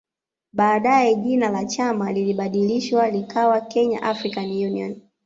Baadae jina la chama lilibadilishwa likawa Kenya African Union